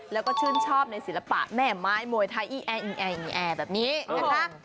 แล้วก็ชื่นชอบในศิลปะแม่ไม้มวยไทยแบบนี้นะคะ